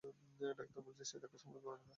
Doctor বলেছে সে ধাক্কা সামলাতে পারবে না।